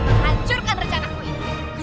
menghancurkan rencanaku ini